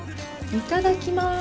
いただきます。